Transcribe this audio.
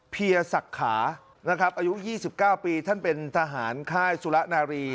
เพียสักขานะครับอายุยี่สิบเก้าปีท่านเป็นทหารค่ายสุระนารี